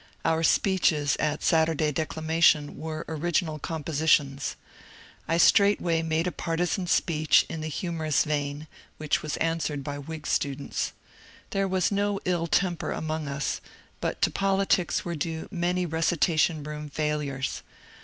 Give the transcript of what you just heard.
Our speeches at Saturday declamation were original composi tions. I straightway made a partisan speech, in the humour ous Tcin, which was answered by Whig students. There was no ill temper among us, but to politics were due many reci tation room failures.